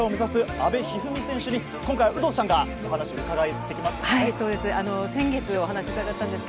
阿部一二三選手に今回、有働さんがお話を伺ってきました。